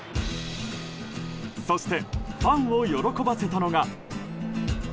そしてファンを喜ばせたのが。